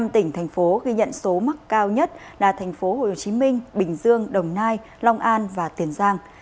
năm tỉnh thành phố ghi nhận số mắc cao nhất là thành phố hồ chí minh bình dương đồng nai long an và tiền giang